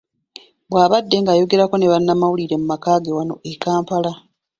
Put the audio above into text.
Bw’abadde ng'ayogerako ne bannamawulire mu maka ge wano mu Kampala.